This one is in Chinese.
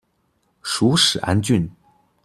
属始安郡。